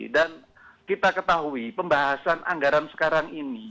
dan kita ketahui pembahasan anggaran sekarang ini